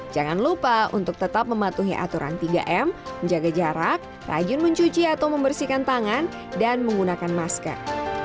jangan lupa untuk tetap mematuhi aturan tiga m menjaga jarak rajin mencuci atau membersihkan tangan dan menggunakan masker